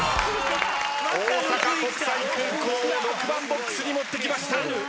大阪国際空港を６番ボックスに持ってきました。